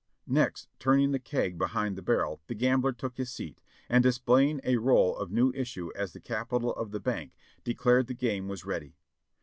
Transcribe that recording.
Next, turning the keg behind the barrel, the gam bler took his seat, and displaying a roll of new issue as the capital of the bank, declared the game was ready.